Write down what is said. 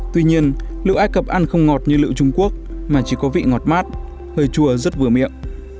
tuy nhiên liệu ai cập ăn không ngọt như lựu trung quốc mà chỉ có vị ngọt mát hơi chùa rất vừa miệng